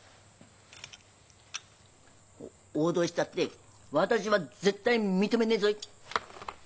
お脅したって私は絶対認めねえぞい。